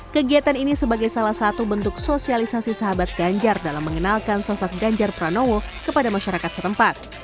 kegiatan ini sebagai salah satu bentuk sosialisasi sahabat ganjar dalam mengenalkan sosok ganjar pranowo kepada masyarakat setempat